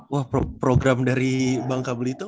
wah program dari bang kabelito